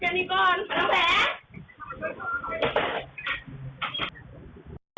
ได้ไหมพี่